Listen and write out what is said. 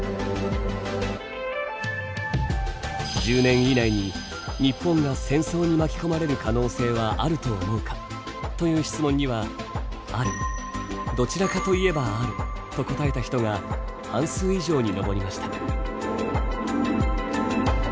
「１０年以内に日本が戦争に巻き込まれる可能性はあると思うか？」という質問には「ある」「どちらかといえばある」と答えた人が半数以上に上りました。